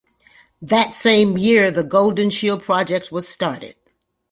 That same year the "Golden Shield Project" was started.